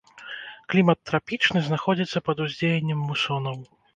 Клімат трапічны, знаходзіцца пад уздзеяннем мусонаў.